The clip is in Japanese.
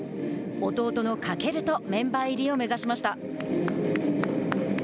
弟の翔とメンバー入りを目指しました。